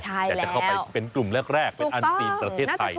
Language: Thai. แต่จะเข้าไปเป็นกลุ่มแรกเป็นอันซีนประเทศไทย